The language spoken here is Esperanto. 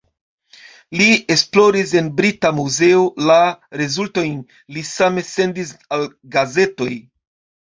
Li esploris en Brita Muzeo, la rezultojn li same sendis al gazetoj.